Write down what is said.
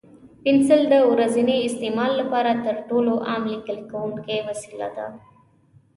پنسل د ورځني استعمال لپاره تر ټولو عام لیکل کوونکی وسیله ده.